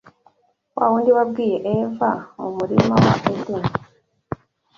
wa wundi wabwiye Eva mu murima wa Edeni,